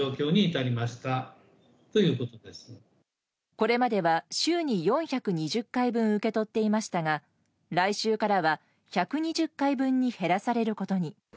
これまでは週に４２０回分受け取っていましたが来週からは１２０回分に減らされることに。